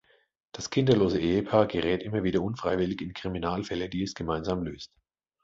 Das kinderlose Ehepaar gerät immer wieder unfreiwillig in Kriminalfälle, die es gemeinsam löst.